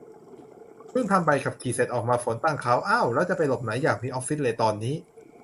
เพิ่งทำใบขับขี่เสร็จ ออกมา ฝนตั้งเค้า เอ้า แล้วจะไปหลบไหน อยากมีออฟฟิศเลยตอนนี้